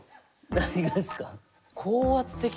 何がですか？